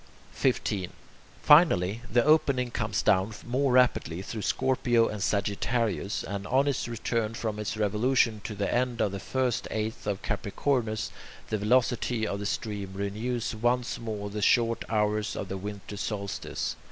15. Finally, the opening comes down more rapidly through Scorpio and Sagittarius, and on its return from its revolution to the end of the first eighth of Capricornus, the velocity of the stream renews once more the short hours of the winter solstice.